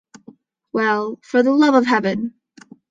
Well, for the love of Heaven!